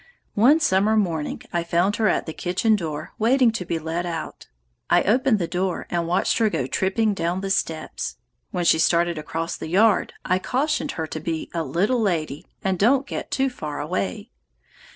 "One summer morning I found her at the kitchen door waiting to be let out. I opened the door and watched her go tripping down the steps. When she started across the yard I cautioned her to 'be a little lady, and don't get too far away.'